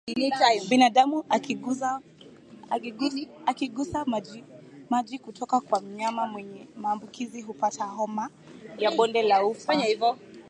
Binadamu akigusa majimaji kutoka kwa mnyama mwenye maambukizi hupata homa ya bonde la ufa